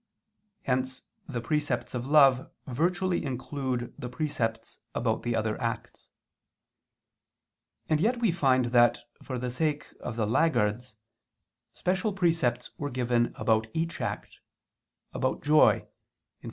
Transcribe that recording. Hence the precepts of love virtually include the precepts about the other acts. And yet we find that, for the sake of the laggards, special precepts were given about each act about joy (Phil.